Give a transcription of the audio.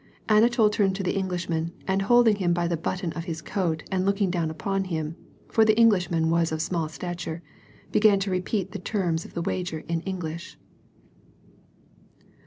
Anatol turned to the Englishman and, holding him by the button of his coat and looking down upon him, — for the Englishman was small of stature, — began to repeat the terms of the wager in English.